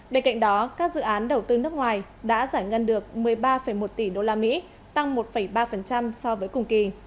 bên cạnh đó các dự án đầu tư nước ngoài đã giải ngân được một mươi ba một tỷ usd tăng một ba so với cùng kỳ